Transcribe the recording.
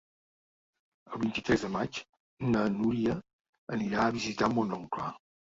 El vint-i-tres de maig na Núria anirà a visitar mon oncle.